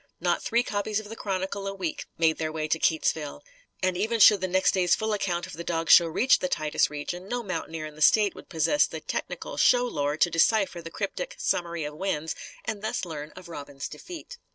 Not three copies of the Chronicle a week made their way to Keytesville. And, even should the next day's full account of the dog show reach the Titus region, no mountaineer in the State would possess the technical show lore to decipher the cryptic "summary of wins" and thus learn of Robin's defeat.